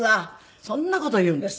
そんな事言うんです。